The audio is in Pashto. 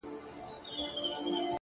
هره لاسته راوړنه د زحمت عکس دی.!